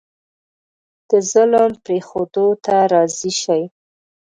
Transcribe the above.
د ظلم پرېښودو ته راضي شي.